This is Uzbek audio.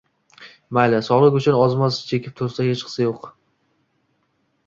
Mayli, sogʻlik uchun oz-moz chekib tursa hechqisi yoʻq.